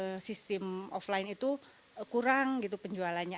kalau sistem offline itu kurang gitu penjualannya